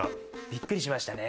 びっくりしましたね。